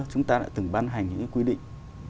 chúng ta đã từng ban hành những quy định